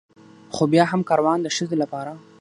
خو بيا هم کاروان د ښځې لپاره